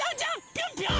ぴょんぴょん！